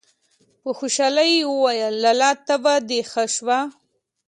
په خوشالي يې وويل: لالا! تبه دې ښه شوه!!!